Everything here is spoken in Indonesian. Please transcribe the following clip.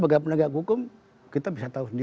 sebagai penegak hukum kita bisa tahu sendiri